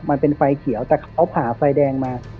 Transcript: มันเป็นไฟเขียวแต่เขาผ่าไฟแดงมา